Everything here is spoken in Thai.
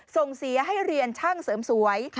ส่งเสียให้เรียนช่างเสริมสวย